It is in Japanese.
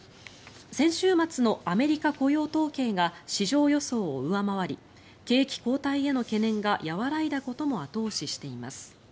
先週末のアメリカ雇用統計が市場予想を上回り景気後退への懸念が和らいだことも後押ししています。